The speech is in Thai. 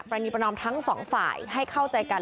รณีประนอมทั้งสองฝ่ายให้เข้าใจกัน